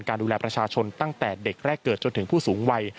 ดูแลประชาชนตั้งแต่เด็กแรกเกิดจนถึงผู้สูงวัย